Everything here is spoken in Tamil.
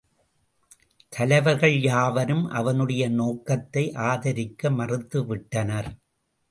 தலைவர்கள் யாவரும் அவனுடைய நோக்கத்தை ஆதரிக்க மறுத்துவிட்டனர்.